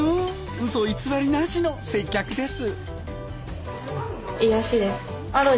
うそ偽りなしの接客です。